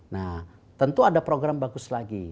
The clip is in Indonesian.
nah tentu ada program bagus lagi